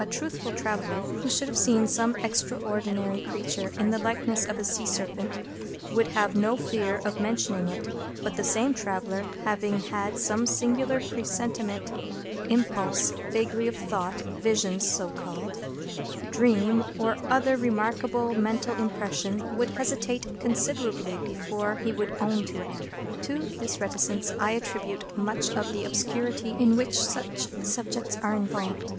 A truthful traveller, who should have seen some extraordinary creature in the likeness of a sea serpent, would have no fear of mentioning it; but the same traveller, having had some singular presentiment, impulse, vagary of thought, vision (so called), dream, or other remarkable mental impression, would hesitate considerably before he would own to it. To this reticence I attribute much of the obscurity in which such subjects are involved.